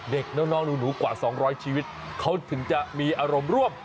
เด็กน้องหนูกว่า๒๐๐ชีวิตเขาถึงจะมีอารมณ์ร่วม